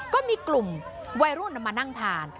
ก็มีกลุ่มวัยรุ่นมานั่งทาน